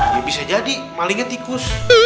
ya bisa jadi malingnya tikus